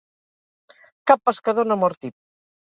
Cap pescador no mor tip.